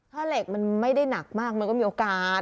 ถ้าเหล็กมันไม่ได้หนักมากมันก็มีโอกาส